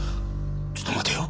ちょっと待てよ。